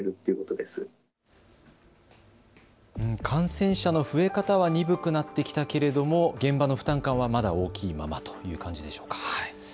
感染者の増え方は鈍くなってきたけれども現場の負担感はまだ大きいままという感じでしょうか。